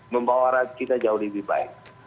membawa rakyat kita jauh lebih baik